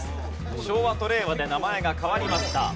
昭和と令和で名前が変わりました。